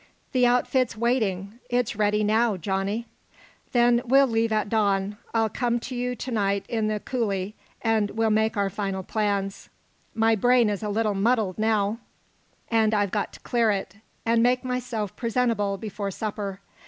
"The outfit's waiting. It's ready now, Johnny." "Then we'll leave at dawn. I'll come to you to night in the coulee, and we'll make our final plans. My brain is a little muddled now, and I've got to clear it, and make myself presentable before supper.